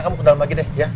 kamu ke dalam lagi deh ya